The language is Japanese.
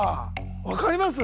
分かります？